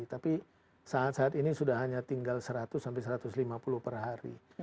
tapi saat saat ini sudah hanya tinggal seratus sampai satu ratus lima puluh per hari